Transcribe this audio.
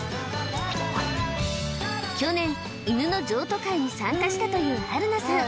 去年犬の譲渡会に参加したという春菜さん